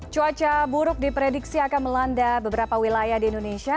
cuaca buruk diprediksi akan melanda beberapa wilayah di indonesia